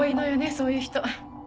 そういう人。